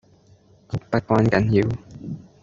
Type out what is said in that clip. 不關緊要